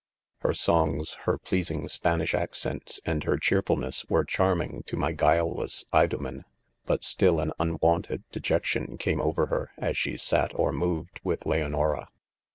" Her songs, her pleasing Spanish accents, and her cheerfulness,' were charming to my guileless Idomeii 5 but still an unwonted de» jeetion came over her, as she sat or moved with Leonora.